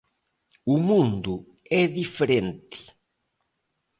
O mundo é diferente.